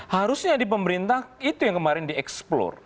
harusnya di pemerintah itu yang kemarin dieksplor